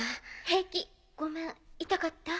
平気ごめん痛かった？